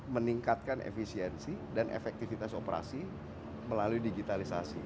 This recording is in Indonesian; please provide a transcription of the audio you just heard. meningkatkan efisiensi dan efektivitas operasi melalui digitalisasi